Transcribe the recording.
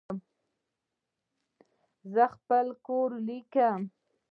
زه خپل کور ولیکم.